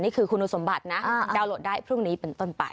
นี่คือคุณสมบัตินะดาวนโหลดได้พรุ่งนี้เป็นต้นไป